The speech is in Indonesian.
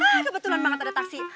wah kebetulan banget ada taksi